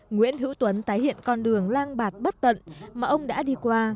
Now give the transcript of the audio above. nguyễn hữu tuấn tái hiện con đường lang bạc bất tận mà ông đã đi qua